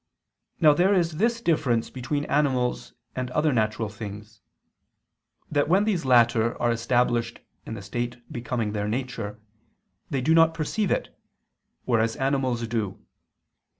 Now there is this difference between animals and other natural things, that when these latter are established in the state becoming their nature, they do not perceive it, whereas animals do.